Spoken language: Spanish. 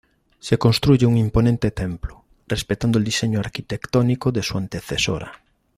Se construye un imponente templo, respetando el diseño arquitectónico de su antecesora.